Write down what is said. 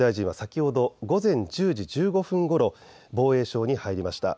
防衛大臣は先ほど午前１０時１５分ごろ防衛省に入りました。